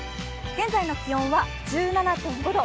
現在の気温は１７．５度。